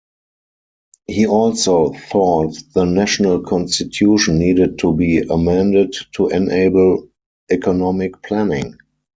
He also thought the national constitution needed to be amended to enable economic planning.